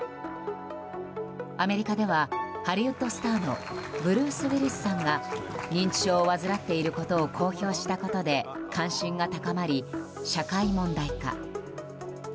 アメリカではハリウッドスターのブルース・ウィリスさんが認知症を患っていることを公表したことで関心が高まり、社会問題化。